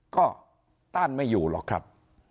ก็ต้านไม่อยู่หรอกครับ